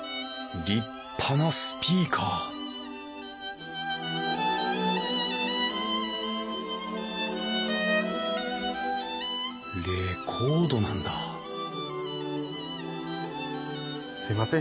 立派なスピーカーレコードなんだすいません。